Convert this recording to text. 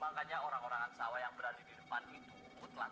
makanya orang orang ansawa yang berada di depan itu telah terbakar